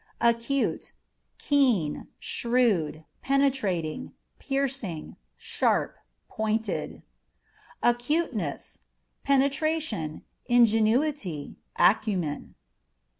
Acute â€" keen, shrewd, penetrating, piercing, sharp, pointed. Acuteness â€" penetration, ingenuity, acumen.